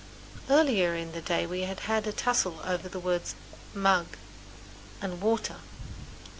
Earlier in the day we had had a tussle over the words "m u g" and "w a t e r."